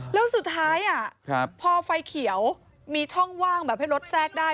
แล้วสุดท้ายพอไฟเขียวมีช่องว่างแบบให้รถแทรกได้